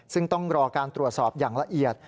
ซึ่งต้องรอการตรวจสอบอย่างละเอียด